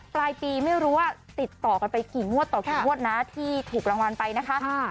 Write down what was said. ปลายปีไม่รู้เมื่อกี่มวดต่อไปกี่มวดนะที่ถูกรางวัลไปนะคะ